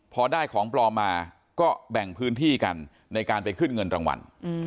พอได้ของปลอมมาก็แบ่งพื้นที่กันในการไปขึ้นเงินรางวัล